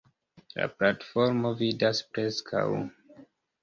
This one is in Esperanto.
La platformo vidas preskaŭ.